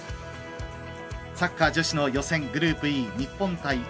サッカー女子の予選グループＥ